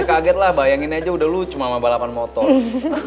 kaget lah bayangin aja udah lucu mama balapan motor